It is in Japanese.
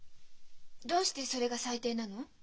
どうしてそれが最低なの？